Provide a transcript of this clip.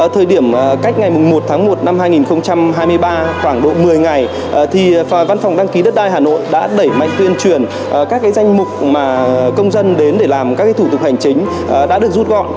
thời điểm cách ngày một tháng một năm hai nghìn hai mươi ba khoảng độ một mươi ngày thì văn phòng đăng ký đất đai hà nội đã đẩy mạnh tuyên truyền các danh mục mà công dân đến để làm các thủ tục hành chính đã được rút gọn